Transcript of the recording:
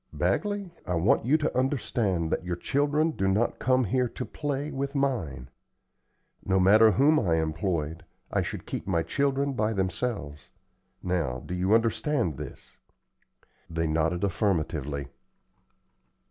Bagley, I want you to understand that your children do not come here to play with mine. No matter whom I employed, I should keep my children by themselves. Now, do you understand this?" They nodded affirmatively.